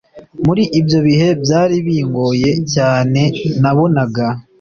muri ibyo bihe byari bingoye cyane nabonaga